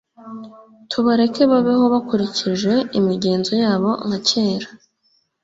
tubareke babeho bakurikije imigenzo yabo nka kera